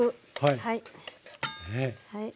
はい。